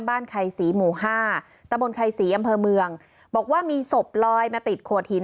ไข่ศรีหมู่ห้าตะบนไข่ศรีอำเภอเมืองบอกว่ามีศพลอยมาติดโขดหิน